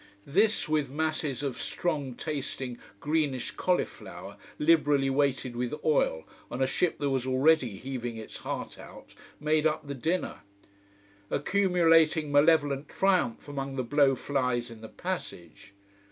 This, with masses of strong tasting greenish cauliflower liberally weighted with oil, on a ship that was already heaving its heart out, made up the dinner. Accumulating malevolent triumph among the blow flies in the passage.